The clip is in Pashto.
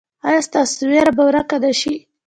ایا ستاسو ویره به ورکه نه شي؟